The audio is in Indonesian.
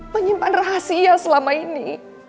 menyimpan rahasia selama ini